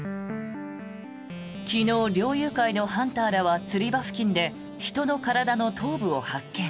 昨日、猟友会のハンターらは釣り場付近で人の体の頭部を発見。